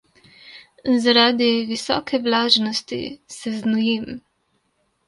Zaradi visoke vlažnosti se znojim.